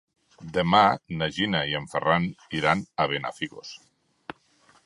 Demà na Gina i en Ferran iran a Benafigos.